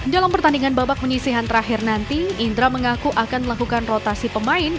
dalam pertandingan babak penyisihan terakhir nanti indra mengaku akan melakukan rotasi pemain